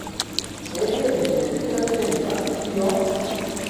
Eble vi deziras, ke ni kantu ion?